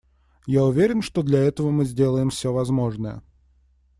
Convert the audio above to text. Я уверен, что для этого мы сделаем все возможное.